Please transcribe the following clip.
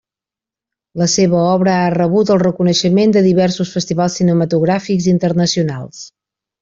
La seva obra ha rebut el reconeixement de diversos festivals cinematogràfics internacionals.